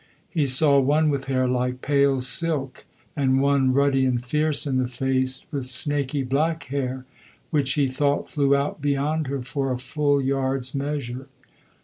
He saw one with hair like pale silk, and one, ruddy and fierce in the face, with snaky black hair which, he thought, flew out beyond her for a full yard's measure.